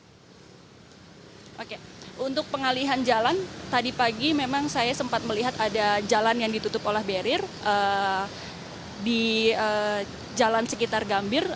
oke untuk pengalihan jalan tadi pagi memang saya sempat melihat ada jalan yang ditutup oleh barrier di jalan sekitar gambir